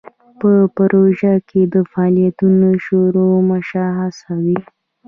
په پروژه کې د فعالیتونو شروع مشخصه وي.